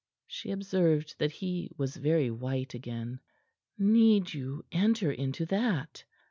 She observed that he was very white again. "Need you enter into that?